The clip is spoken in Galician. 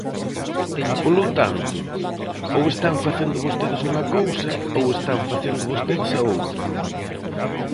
Polo tanto, ou están facendo vostedes unha cousa, ou están facendo vostedes a outra.